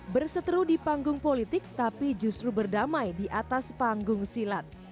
berseteru di panggung politik tapi justru berdamai di atas panggung silat